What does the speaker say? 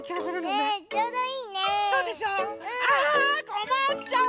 こまっちゃう！